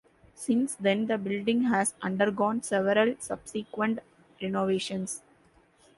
Since then, the building has undergone several subsequent renovations.